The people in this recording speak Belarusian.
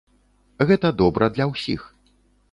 Гэта добра для ўсіх.